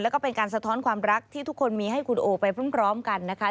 แล้วก็เป็นการสะท้อนความรักที่ทุกคนมีให้คุณโอไปพร้อมกันนะคะ